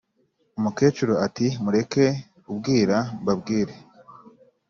Umukecuru ati"mureke ubwira mbabwire "